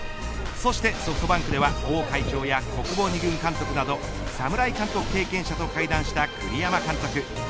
そしてソフトバンクでは王会長や小久保２軍監督など侍監督経験者と会談した栗山監督。